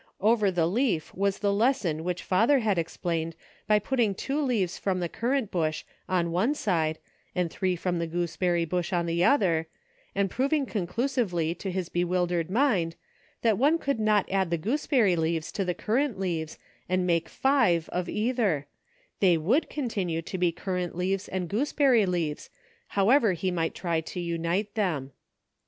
Over the leaf was the lesson which father had explained by putting two leaves from the currant bush on one side, and three from the gooseberry bush on the other, and proving conclusively to his bewildered mind that one could not add the gooseberry leaves to the currant leaves and mskejive of either ; they would continue to be currant leaves and goose berry leaves^ however he might try to unite them.